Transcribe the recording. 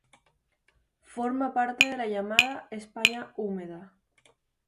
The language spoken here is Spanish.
Forma parte de la llamada "España húmeda".